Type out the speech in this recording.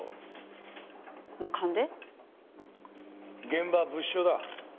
現場は物証だ。